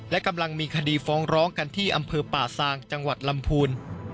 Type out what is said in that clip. และกำลังมีคดีฟ้องร้องกันที่อำเภอป่าซางจังหวัดลำพูน